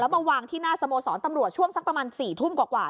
มาวางที่หน้าสโมสรตำรวจช่วงสักประมาณ๔ทุ่มกว่า